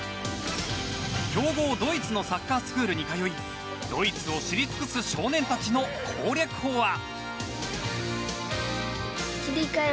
強豪ドイツのサッカースクールに通いドイツを知り尽くす少年たちの攻略法は。